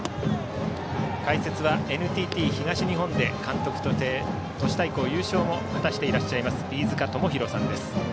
解説はＮＴＴ東日本で監督と都市大会優勝を果たしている飯塚智広さんです。